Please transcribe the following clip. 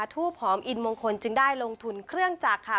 ทูบหอมอินมงคลจึงได้ลงทุนเครื่องจักรค่ะ